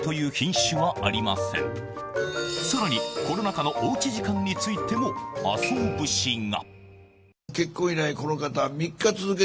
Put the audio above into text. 更に、コロナ禍のおうち時間についても麻生節が。